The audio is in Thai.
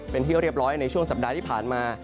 เป็นที่เรียบร้อยในช่วงสัปดาห์ที่ผ่านมา